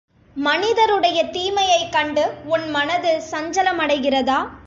மனிதருடைய தீமையைக் கண்டு உன் மனது சஞ்சலமடைகிறதா?